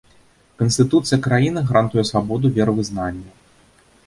Канстытуцыя краіны гарантуе свабоду веравызнання.